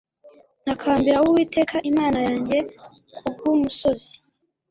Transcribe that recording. ntakambira Uwiteka Imana yanjye ku bw umusozi